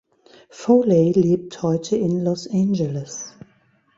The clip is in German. Foley lebt heute in Los Angeles.